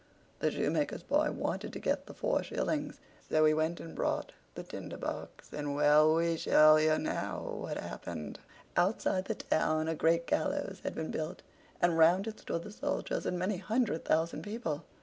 The shoemaker's boy wanted to get the four shillings, so he went and brought the Tinder box, and—well, we shall hear now what happened. Outside the town a great gallows had been built, and round it stood the soldiers and many hundred thousand people.